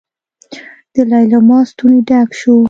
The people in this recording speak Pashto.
د ليلما ستونی ډک شو.